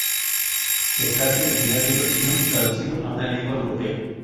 Se trata del primer libro chino traducido a una lengua europea.